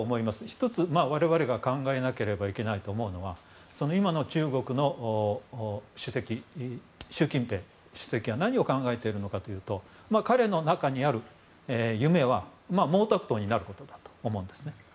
１つ、我々が考えなければいけないと思うのが今の中国の習近平主席が何を考えているのかというと彼の中にある夢は毛沢東になることだと思うんですね。